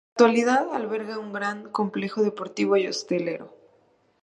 En la actualidad alberga un gran complejo deportivo y hostelero.